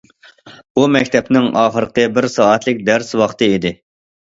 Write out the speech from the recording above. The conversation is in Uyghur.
بۇ مەكتەپنىڭ ئاخىرقى بىر سائەتلىك دەرس ۋاقتى ئىدى.